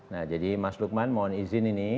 nah jadi mas lukman mohon izin ini